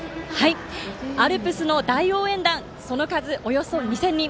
アルプスの大応援団その数、およそ２０００人。